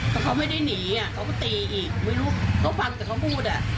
แต่เขาไม่ได้หนีอ่ะเขาก็ตีอีกไม่รู้เขาฟังแต่เขาพูดอ่ะ